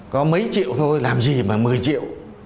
có mấy triệu thôi làm gì mà một mươi triệu